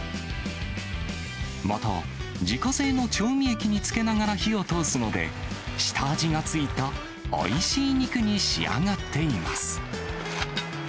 また、自家製の調味液に漬けながら火を通すので、下味が付いたおいしい肉に仕上がっています。